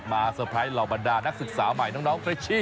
มาเซอร์ไพรส์เรามาด่านักศึกษาใหม่น้องเฟรชิ